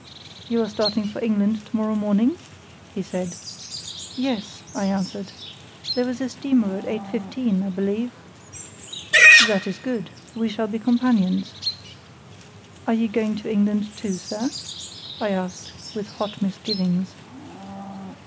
"You are starting for England to morrow morning?" he said. "Yes," I answered; "there is a steamer at 8.15, I believe." "That is good. We shall be companions." "Are you going to England, too, sir?" I asked, with hot misgivings.